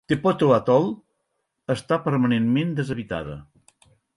Tepoto Atoll està permanentment deshabitada.